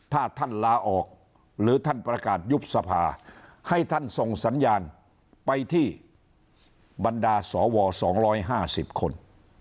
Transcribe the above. ถ้าท่านลาออกหรือท่านประกาศยุบสภาให้ท่านส่งสัญญาณไปที่บรรดาสว๒๕๐คน